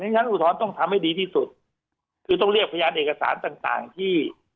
ชั้นอุทธรณ์ต้องทำให้ดีที่สุดคือต้องเรียกพยานเอกสารต่างต่างที่